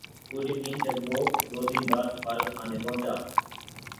پُریقین جب وہ دو دن بعد سفارتخانے پہنچا